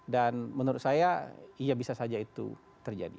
dan menurut saya iya bisa saja itu terjadi